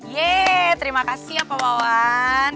yeay terima kasih ya pak wawan